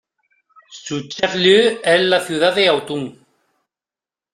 Su "chef-lieu" es la ciudad de Autun.